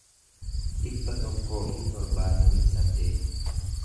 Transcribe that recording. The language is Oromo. dhibba tokkoo fi torbaatamii saddeet